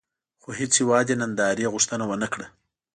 خو هېڅ هېواد یې د نندارې غوښتنه ونه کړه.